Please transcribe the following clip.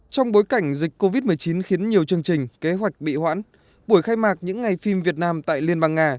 trong bối cảnh dịch covid một mươi chín khiến nhiều chương trình kế hoạch bị hoãn buổi khai mạc những ngày phim việt nam tại liên bang nga